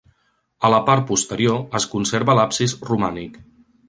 A la part posterior es conserva l'absis romànic.